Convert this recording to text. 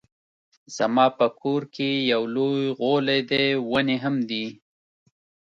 زما په کور کې يو لوی غولی دی ونې هم دي